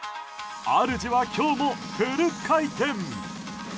主は今日もフル回転。